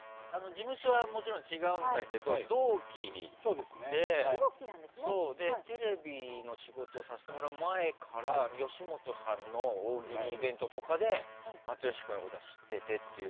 事務所はもちろん違うんだけど同期でテレビの仕事をさせてもらう前から吉本さんの大喜利イベントとかで又吉君のことは知っててという。